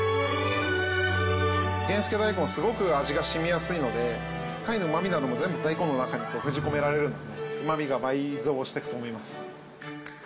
源助だいこんはすごく味が染みやすいので貝のうまみなども全部大根の中に封じ込められるのでうまみが倍増していくと思います。